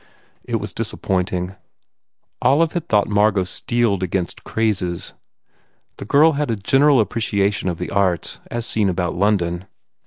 It was disappoint ing. Olive had thought Margot steeled against crazes. The girl had a general apprecation of the arts as seen about London.